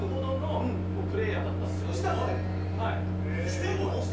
してるの？